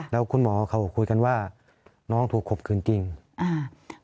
แล้วคุณหมอเขาก็คุยกันว่าน้องถูกข่มขืนจริงอ่า